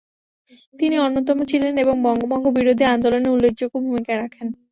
তিনি অন্যতম ছিলেন এবং বঙ্গভঙ্গ বিরোধী আন্দোলনে উল্লেখযোগ্য ভূমিকা রাখেন।